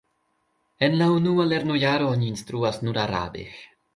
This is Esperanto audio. En la unua lernojaro oni instruas nur arabe.